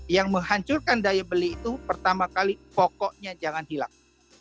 yang menghancurkan daya beli itu pertama kali pokoknya jangan hilang